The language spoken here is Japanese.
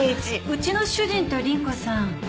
うちの主人と倫子さん